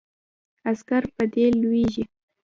عسکر په دې لویږي.